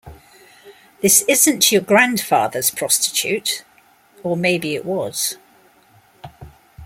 This isn't your grandfather's prostitute - or maybe it was.